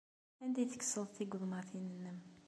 Anda ay tekkseḍ tigeḍmatin-nnem?